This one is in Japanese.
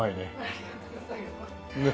ありがとうございます。